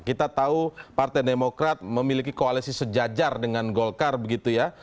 kita tahu partai demokrat memiliki koalisi sejajar dengan golkar begitu ya